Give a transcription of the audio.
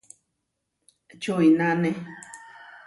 Čoináne.